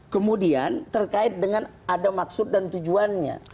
kemudian terkait dengan ada maksud dan tujuannya